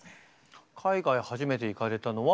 海外初めて行かれたのはおいくつ？